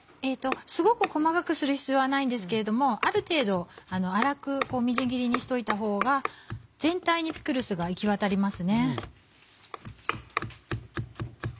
すごく細かくする必要はないんですけれどもある程度粗くみじん切りにしといたほうが全体にピクルスが行きわたります。